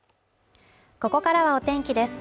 ここからはお天気です